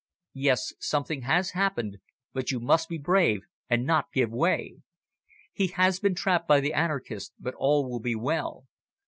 "Yes, something has happened, but you must be brave and not give way. He has been trapped by the anarchists, but all will be well.